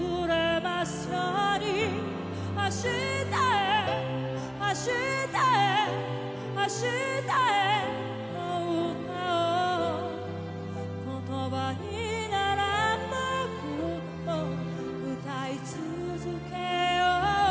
「明日へ明日へ明日へと歌おう」「言葉にならなくても歌い続けよう」